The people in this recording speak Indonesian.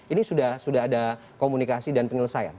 ini sudah ada komunikasi dan penyelesaian